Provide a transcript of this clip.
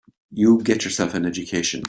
You get yourself an education.